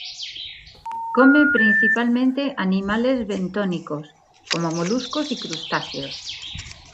Come principalmente animales bentónicos, como moluscos y crustáceos.